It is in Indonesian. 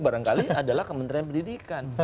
barangkali adalah kementerian pendidikan